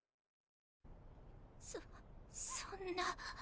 そそんな。